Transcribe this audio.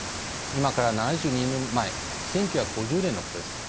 今から７２年前１９５０年のことです。